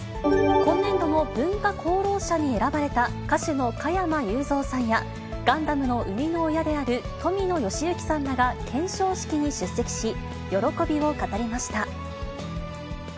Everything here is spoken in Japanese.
今年度の文化功労者に選ばれた歌手の加山雄三さんや、ガンダムの生みの親である富野由悠季さんらが顕彰式に出席し、喜びを語りました。